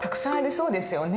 そうですね。